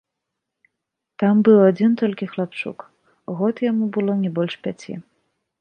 Там быў адзін толькі хлапчук, год яму было не больш пяці.